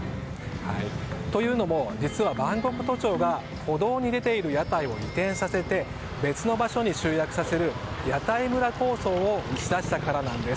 というのも、実はバンコク都庁が歩道に出ている屋台を移転させて別の場所に集約させる屋台村構想を打ち出したからなんです。